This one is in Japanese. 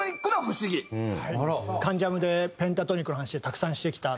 『関ジャム』でペンタトニックの話たくさんしてきた。